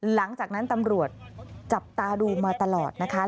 หลังจากนั้นตำรวจจับตาดูมาตลอดนะคะ